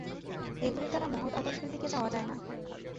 এগুলির দ্বারা মহৎ আদর্শের দিকে যাওয়া যায় না।